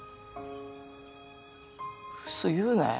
ウソ言うなよ。